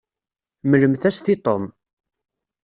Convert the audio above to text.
Mmlemt-as-t i Tom.